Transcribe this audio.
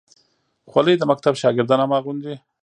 خولۍ د مکتب شاګردان هم اغوندي.